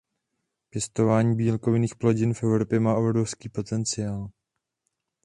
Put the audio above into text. Pěstování bílkovinných plodin v Evropě má obrovský potenciál.